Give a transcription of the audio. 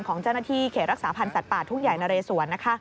ของเจ้าหน้าที่เขตรักษาพันธ์สัตว์ป่าทุ่งใหญ่นะเรสวนนะคะ